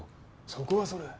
そこはそれ。